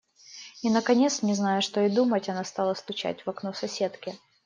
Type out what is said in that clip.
И, наконец, не зная, что и думать, она стала стучать в окно соседке.